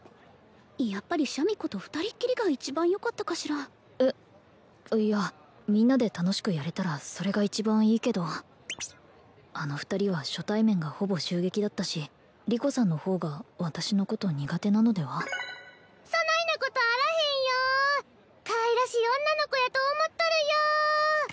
やっぱりシャミ子と二人っきりが一番よかったかしらえっいやみんなで楽しくやれたらそれが一番いいけどあの２人は初対面がほぼ襲撃だったしリコさんの方が私のこと苦手なのではそないなことあらへんよかわいらしい女の子やと思っとるよ